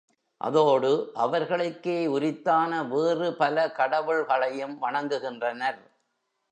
அதோடு அவர்களுக்கே உரித்தான வேறுபல கடவுள்களையும் வணங்குகின்றனர்.